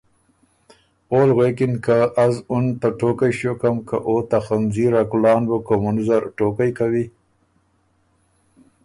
اول غوېکِن که ”از اُن ته ټوقئ ݭیوکم که او ته خنځیر ا کُلان بُو کُومُن زر ټوقئ کوی“